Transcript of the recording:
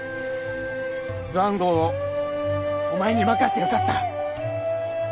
スワン号をお前に任してよかった。